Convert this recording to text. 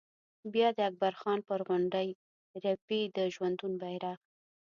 بیا د اکبر خان پر غونډۍ رپي د ژوندون بيرغ